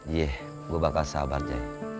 yeh gue bakal sabar jai